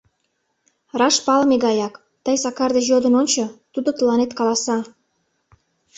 — Раш палыме гаяк, тый Сакар деч йодын ончо, тудо тыланет каласа.